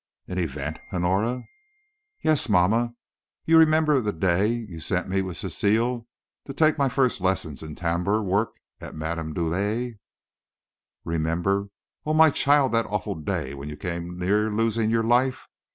"An event, Honora?" "Yes, mamma. You remember the day you sent me with Cecile to take my first lessons in tambour work of Madame Douay?" "Remember? Oh, my child, that awful day when you came near losing your life!